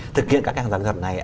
thực hiện các hàng rào kỹ thuật này